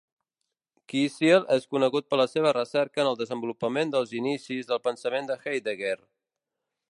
Kisiel és conegut per la seva recerca en el desenvolupament dels inicis del pensament de Heidegger.